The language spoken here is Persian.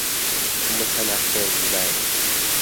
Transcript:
متنفر بودن